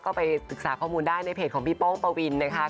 ก็ไปศึกษาข้อมูลได้ในเพจของพี่ป้องปวินนะคะ